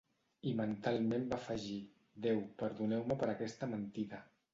I mentalment va afegir: "Déu, perdoneu-me per aquesta mentida".